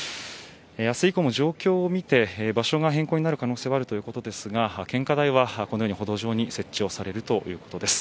明日以降も状況を見て場所が変更になる可能性があるということですが献花台はこのように歩道に設置されるということです。